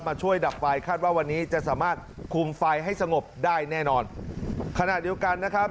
ช่วยดับไฟคาดว่าวันนี้จะสามารถคุมไฟให้สงบได้แน่นอนขณะเดียวกันนะครับ